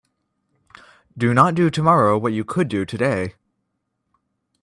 Do not do tomorrow what you could do today.